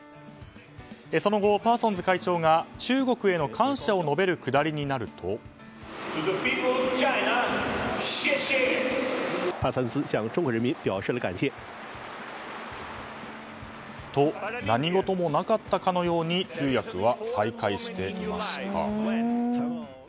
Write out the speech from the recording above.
その後、パーソンズ会長が中国への感謝を述べるくだりになると。と、何事もなかったかのように通訳は再開していました。